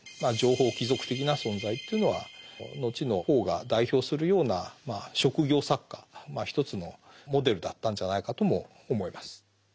情報貴族的な存在というのは後のポーが代表するような職業作家一つのモデルだったんじゃないかとも思います。